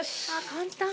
簡単！